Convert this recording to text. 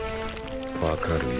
わかるよ。